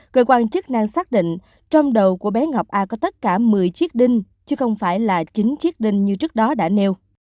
cơ quan chức năng xác định trong đầu của bé ngọc a có tất cả một mươi chiếc đinh chứ không phải là chính chiếc đinh như trước đó đã nêu